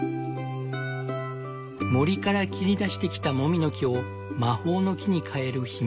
森から切り出してきたもみの木を魔法の木に変える秘密